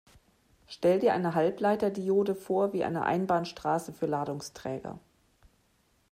Stell dir eine Halbleiter-Diode vor wie eine Einbahnstraße für Ladungsträger.